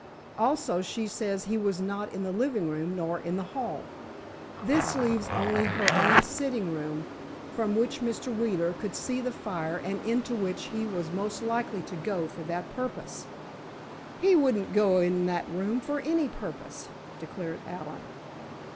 Also she says he was not in the living room, nor in the hall. This leaves only her own sitting room, from which Mr. Wheeler could see the fire and into which he was most likely to go for that purpose." "He wouldn't go in that room for any purpose," declared Allen.